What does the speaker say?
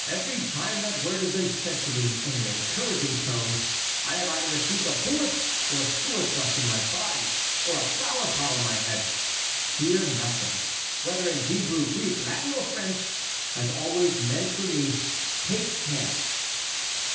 Every time that word has been said to me in an encouraging tone I have either received a bullet or a sword thrust in my body, or a flower pot on my head. 'Fear nothing,' whether in Hebrew, Greek, Latin, or French, has always meant for me: 'Take care!'"